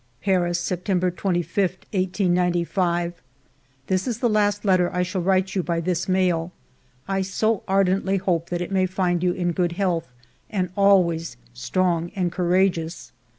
... "Paris, September 25, 1895. " This is the last letter I shall write you by this mail. I so ardently hope that it may find you in good health and always strong and courageous.